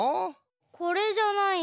これじゃない。